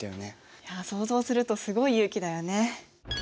いや想像するとすごい勇気だよね。